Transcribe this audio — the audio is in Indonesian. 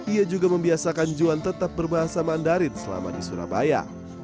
ia juga membiasakan juan tetap berbahasa mandarin selama di surabaya